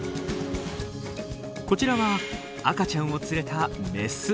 こちらは赤ちゃんを連れたメス。